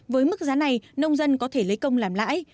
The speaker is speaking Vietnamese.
với mức giá này nông dân có thể lấy công làm lãi